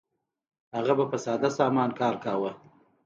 هغه به په ساده سامان کار کاوه.